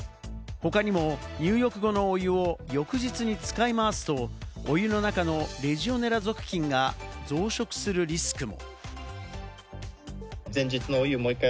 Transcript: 他にも入浴後のお湯を翌日に使い回すとお湯の中のレジオネラ属菌が増殖するリスクも。